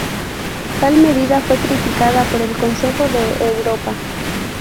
Tal medida fue criticada por el Consejo de Europa.